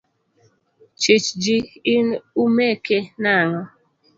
Chich ji, in umeke nang'o?